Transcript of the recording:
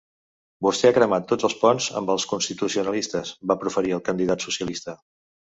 Vostè ha cremat tots els ponts amb els constitucionalistes, va proferir al candidat socialista.